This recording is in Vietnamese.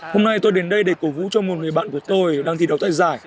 hôm nay tôi đến đây để cổ vũ cho một người bạn của tôi đang thi đấu tại giải